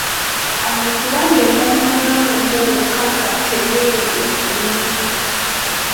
Abantu bagenda mu malwaliro wokka nga tebeewulira bulungi.